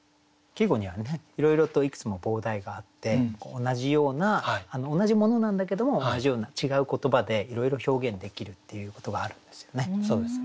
季語にはねいろいろといくつも傍題があって同じような同じものなんだけども同じような違う言葉でいろいろ表現できるっていうことがあるんですよね。